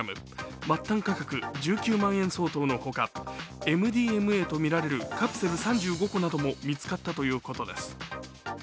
末端価格１９万円相当のほかＭＤＭＡと見られるカプセル３５個なども見つかったということです。